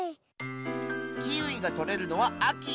キウイがとれるのはあき。